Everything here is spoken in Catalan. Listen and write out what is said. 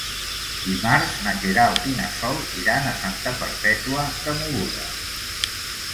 Dimarts na Queralt i na Sol iran a Santa Perpètua de Mogoda.